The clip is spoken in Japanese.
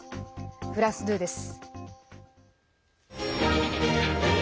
フランス２です。